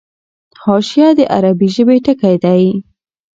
حاشیه د عربي ژبي ټکی دﺉ.